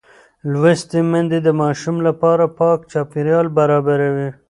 لوستې میندې د ماشوم لپاره پاک چاپېریال برابروي.